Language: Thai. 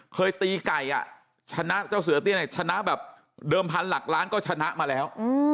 เคยตีไก่ชนะเจ้าเสือเตี้ยเนี่ยชนะแบบเดิมพันหลักล้านก็ชนะมาแล้ว